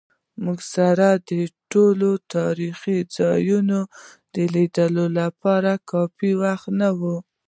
موږ سره د ټولو تاریخي ځایونو د لیدو لپاره کافي وخت نه و.